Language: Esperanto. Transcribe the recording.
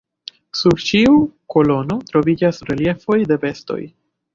Sur ĉiu kolono troviĝas reliefoj de bestoj.